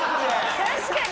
確かに！